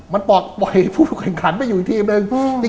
มันบอกปล่อยผู้เก่งขันไปอยู่ทีมหนึ่งอืม